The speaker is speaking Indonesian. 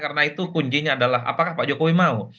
karena itu kunjinya adalah apakah pak jokowi mau